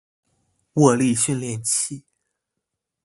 握力練習器